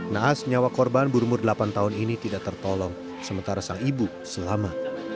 naas nyawa korban berumur delapan tahun ini tidak tertolong sementara sang ibu selamat